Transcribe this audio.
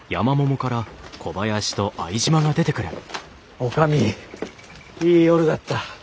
女将いい夜だった。